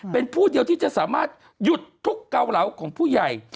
เป็นผู้เดียวที่จะสามารถหยุดทุกเกาเหลาของผู้ใหญ่